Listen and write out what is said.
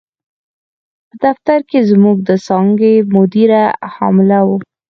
په دفتر کې زموږ د څانګې مدیره حامله وه.